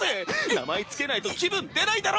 名前付けないと気分出ないだろ！